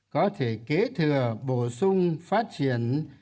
có thể kế thừa bổ sung phát triển